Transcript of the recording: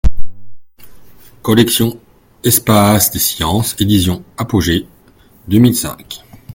Collection Espace des sciences, Éditions Apogée, deux mille cinq.